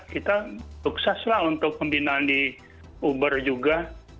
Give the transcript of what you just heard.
kita sukses lah untuk pembinaan di uber juga